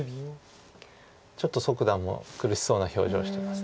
ちょっと蘇九段も苦しそうな表情してます。